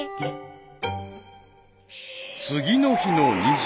［次の日の２時］